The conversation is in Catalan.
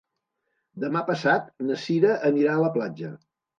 Demà passat na Cira anirà a la platja.